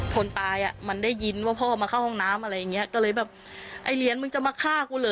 คนตายอ่ะมันได้ยินว่าพ่อมาเข้าห้องน้ำอะไรอย่างเงี้ยก็เลยแบบไอ้เหรียญมึงจะมาฆ่ากูเหรอ